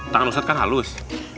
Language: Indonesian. tangan usat kan halus